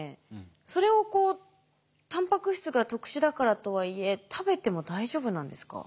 それをたんぱく質が特殊だからとはいえ食べても大丈夫なんですか？